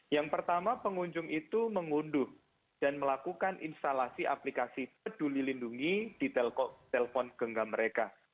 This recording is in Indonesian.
yang pertama pengunjung itu mengunduh dan melakukan instalasi aplikasi peduli lindungi di telpon genggam mereka